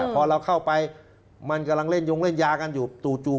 พอเราเข้าไปมันกำลังเล่นยงเล่นยากันอยู่จู่